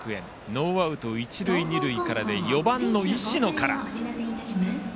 ノーアウト、一塁二塁から４番の石野から。